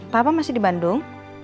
papa masih di bandung